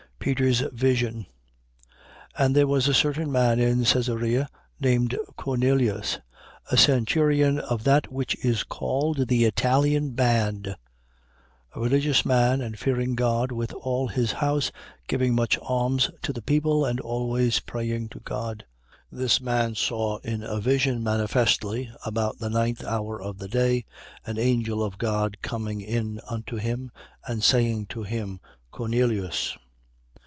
Peter's vision. 10:1. And there was a certain man in Caesarea, named Cornelius, a centurion of that which is called the Italian band: 10:2. A religious man, and fearing God with all his house, giving much alms to the people and always praying to God. 10:3. This man saw in a vision manifestly, about the ninth hour of the day, an angel of God coming in unto him and saying to him: Cornelius.